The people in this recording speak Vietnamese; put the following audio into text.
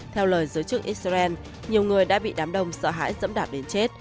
theo lời giới chức israel nhiều người đã bị đám đông sợ hãi dẫm đạp đến chết